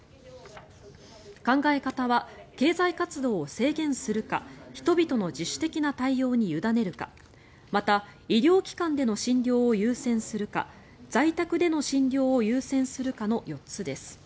考え方は経済活動を制限するか人々の自主的な対応に委ねるかまた、医療機関での診療を優先するか在宅での診療を優先するかの４つです。